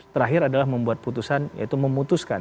terakhir adalah membuat putusan yaitu memutuskan